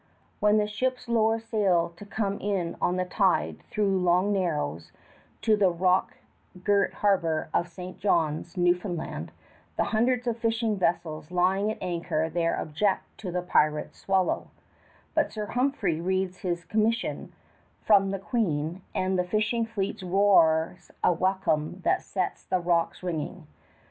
When the ships lower sail to come in on the tide through the long Narrows, to the rock girt harbor of St. John's, Newfoundland, the hundreds of fishing vessels lying at anchor there object to the pirate Swallow; but Sir Humphrey reads his commission from the Queen, and the fishing fleet roars a welcome that sets the rocks ringing.